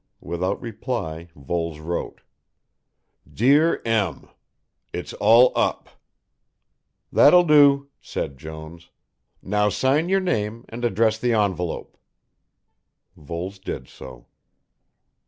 Without reply Voles wrote. "Dear M. "It's all up." "That'll do," said Jones, "now sign your name and address the envelope." Voles did so.